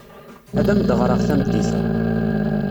Ad am-d-ɣreɣ tameddit-a.